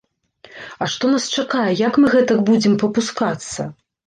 А што нас чакае, як мы гэтак будзем папускацца?!